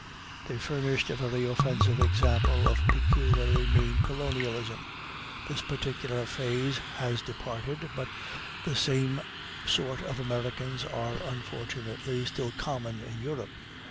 They furnished a very offensive example of peculiarly mean colonialism. This particular phase has departed, but the same sort of Americans are, unfortunately, still common in Europe.